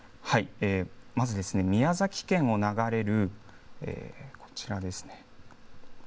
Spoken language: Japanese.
まず、宮崎県を流れるこちらですね。